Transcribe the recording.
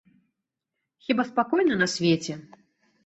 Хіба спакойна на свеце?